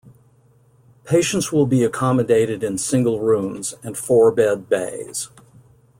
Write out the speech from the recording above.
Patients will be accommodated in single rooms, and four-bed bays.